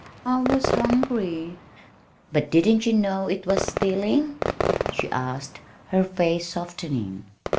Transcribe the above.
"I was hungry." "But didn't you know it was stealing?" she asked, her face softening.